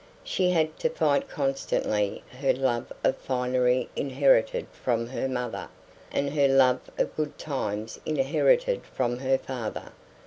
She had to fight constantly her love of finery inherited from her mother, and her love of good times inherited from her father.